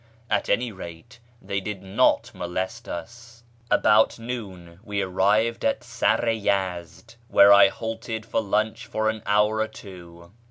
At any rate they did not molest us. About noon we arrived at Sar i Yezd, where I halted for lunch for an hour or two.